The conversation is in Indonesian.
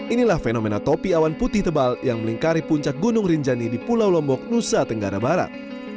inilah fenomena topi awan putih tebal yang melingkari puncak gunung rinjani di pulau lombok nusa tenggara barat